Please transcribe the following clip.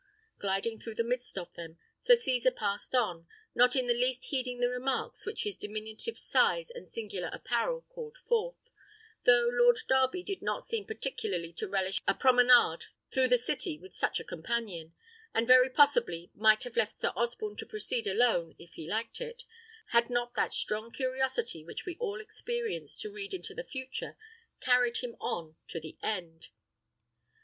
Gliding through the midst of them, Sir Cesar passed on, not in the least heeding the remarks which his diminutive size and singular apparel called forth, though Lord Darby did not seem particularly to relish a promenade through the city with such a companion, and very possibly might have left Sir Osborne to proceed alone if he liked it, had not that strong curiosity which we all experience to read into the future carried him on to the end.